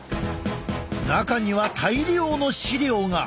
中には大量の資料が。